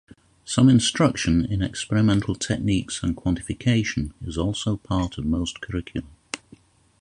Some instruction in experimental techniques and quantification is also part of most curricula.